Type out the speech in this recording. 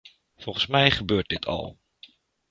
Volgens mij gebeurt dit al.